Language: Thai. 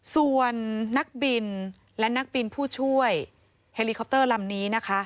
ส่วนนักบินและนักบินผู้ช่วยเฮลิคอปเตอร์ลำนี้นะคะ